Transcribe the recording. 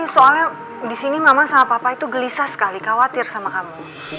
soalnya di sini mama sama papa itu gelisah sekali khawatir sama kamu